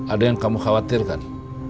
ada yang kamu khawatirkan